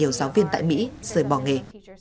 nhiều giáo viên tại mỹ rời bỏ nghề